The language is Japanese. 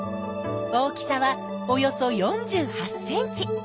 大きさはおよそ４８ｃｍ！